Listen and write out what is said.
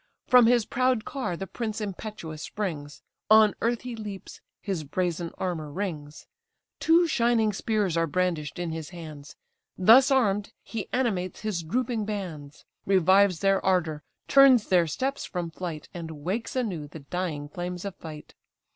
From his proud car the prince impetuous springs, On earth he leaps, his brazen armour rings. Two shining spears are brandish'd in his hands; Thus arm'd, he animates his drooping bands, Revives their ardour, turns their steps from flight, And wakes anew the dying flames of fight.